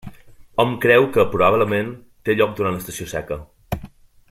Hom creu que, probablement, té lloc durant l'estació seca.